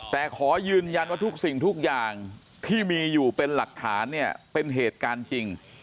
แต่ขอยืนยันว่าทุกสิ่งทุกอย่างที่มีอยู่เป็นหลักฐานเนี่ยเป็นเหตุการณ์จริง